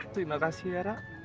terima kasih yara